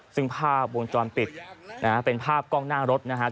ซึ่งภาพวงจรปิดนะฮะเป็นภาพกล้องหน้ารถนะครับ